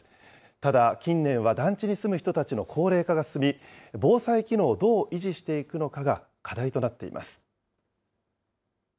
ただ、近年は団地に住む人たちの高齢化が進み、防災機能をどう維持していくのかが課題となっています。